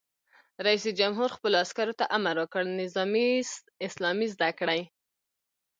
رئیس جمهور خپلو عسکرو ته امر وکړ؛ نظامي سلامي زده کړئ!